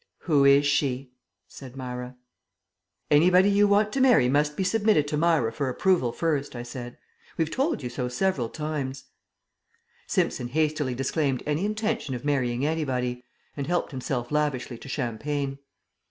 "Who is she?" said Myra. "Anybody you want to marry must be submitted to Myra for approval first," I said. "We've told you so several times." Simpson hastily disclaimed any intention of marrying anybody, and helped himself lavishly to champagne.